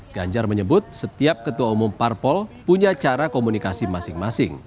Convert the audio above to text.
ganjar menyebut setiap ketua umum parpol punya cara komunikasi masing masing